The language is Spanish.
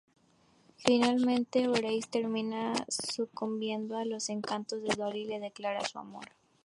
Finalmente Horace termina sucumbiendo a los encantos de Dolly y le declara su amor.